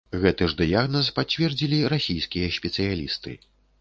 Гэты ж дыягназ пацвердзілі расійскія спецыялісты.